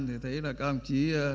thì thấy là các ông chí